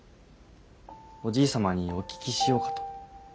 おじい様にお聞きしようかと。